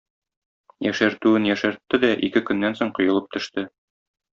Яшәртүен яшәртте дә, ике көннән соң коелып төште.